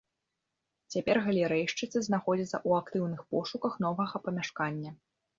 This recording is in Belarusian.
Цяпер галерэйшчыцы знаходзяцца ў актыўных пошуках новага памяшкання.